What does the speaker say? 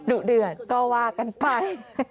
ดุเดือดก็ว่ากันไป